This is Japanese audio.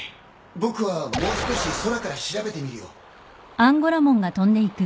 僕はもう少し空から調べてみるよ。